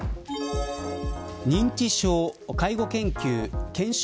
認知症介護研究・研修